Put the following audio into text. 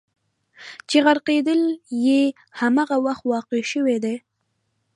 چې غرقېدل یې همغه وخت واقع شوي دي.